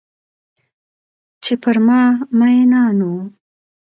چې پر ما میینان وه